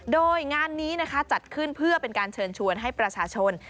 โดยงานนี้นะคะจัดขึ้นเพื่อเป็นการเชิญชวนให้ประชาชน